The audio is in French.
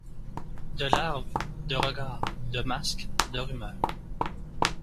De larves, de regards, de masques, de rumeurs